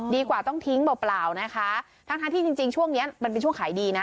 ดีกว่าต้องทิ้งเปล่านะคะทั้งทั้งที่จริงจริงช่วงเนี้ยมันเป็นช่วงขายดีนะ